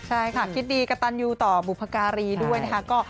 ใช่ค่ะคิดดีกระตันยูต่อบุพการีด้วยนะคะ